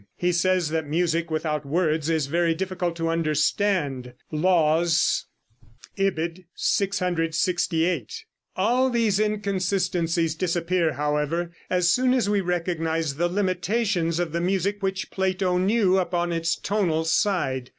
He says that music without words is very difficult to understand. ("Laws," ibid., 668.) All these inconsistencies disappear, however, as soon as we recognize the limitations of the music which Plato knew, upon its tonal side.